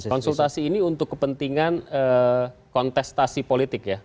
konsultasi ini untuk kepentingan kontestasi politik ya